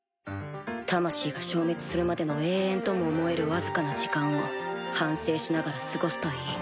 魂が消滅するまでの永遠とも思えるわずかな時間を反省しながら過ごすといい。